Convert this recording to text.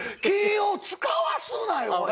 気を使わすなよ！